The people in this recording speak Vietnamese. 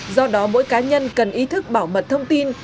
do đó mỗi cá nhân cần ý thức bảo mật thông tin